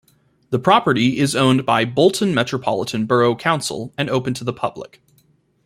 The property is owned by Bolton Metropolitan Borough Council and open to the public.